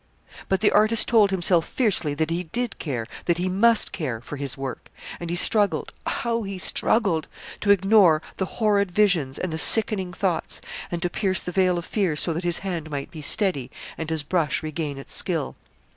But the artist told himself fiercely that he did care that he must care for his work; and he struggled how he struggled! to ignore the horrid visions and the sickening thoughts, and to pierce the veil of fear so that his hand might be steady and his brush regain its skill.